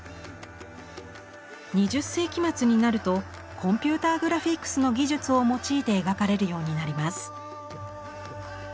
２０世紀末になるとコンピューターグラフィックスの技術を用いて描かれるようになります。